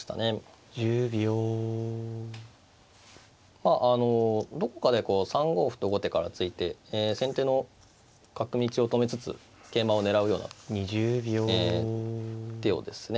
まああのどこかでこう３五歩と後手から突いて先手の角道を止めつつ桂馬を狙うような手をですね